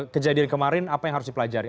kejadian kemarin apa yang harus dipelajari